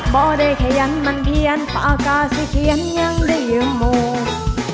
บ่อได้ขยันมันเบียนฝากกาศิเขียนอย่างเดียวมูล